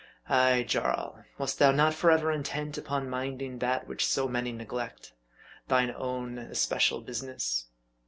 Ay, Jarl ! wast thou not forever intent upon minding that which so many neglect thine own especial business